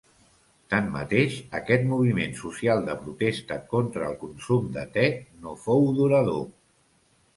Tanmateix, aquest moviment social de protesta contra el consum de te no fou durador.